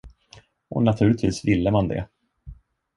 Och naturligtvis ville man det.